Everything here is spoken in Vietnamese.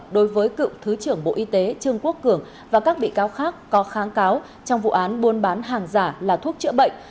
đối với cựu thứ trưởng bộ y tế trương quốc cường và các bị cáo khác có kháng cáo trong vụ án buôn bán hàng giả là thuốc chữa bệnh